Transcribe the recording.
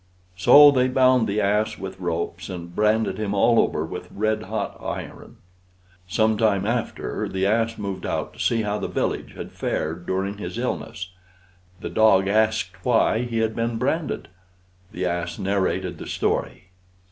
So they bound the ass with ropes, and branded him all over with red hot irons. Some time after the ass moved out to see how the village had fared during his illness. The dog asked why he had been branded. The ass narrated the story.